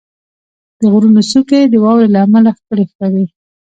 • د غرونو څوکې د واورې له امله ښکلي ښکاري.